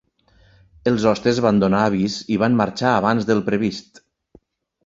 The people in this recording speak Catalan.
Els hostes van donar avís i van marxar abans del previst.